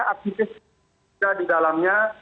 ya aktivis juga di dalamnya